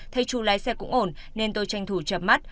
thấy chú lái xe cũng ổn nên tôi tranh thủ chậm mắt